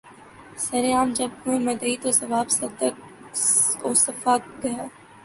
سر عام جب ہوئے مدعی تو ثواب صدق و صفا گیا